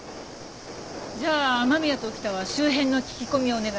じゃあ雨宮と沖田は周辺の聞き込みお願い。